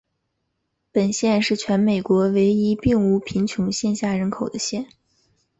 本县是全美国唯一并无贫穷线下人口的县。